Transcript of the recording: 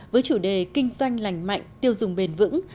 với chủ đề kinh doanh lành mạnh tiêu dùng bền vững